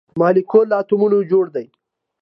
مالیکول له اتومونو جوړ دی